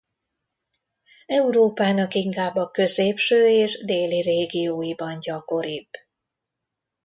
Európának inkább a középső és déli régióiban gyakoribb.